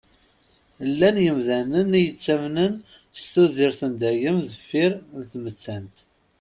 Llan yemdanen i yettamnen s tudert n dayem deffir n tmettant.